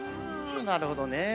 なるほどね。